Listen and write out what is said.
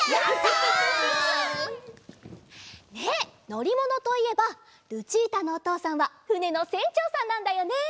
イエイ！ねえのりものといえばルチータのおとうさんはふねのせんちょうさんなんだよね？